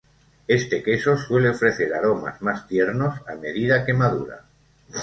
Este queso suele ofrecer aromas más tiernos a medida que madura.